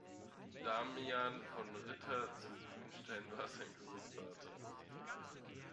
Damian von Ritter zu Grünstein war sein Großvater.